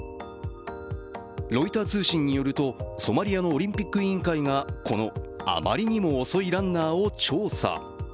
ロイター通信によるとソマリアのオリンピック委員会がこのあまりにも遅いランナーを調査。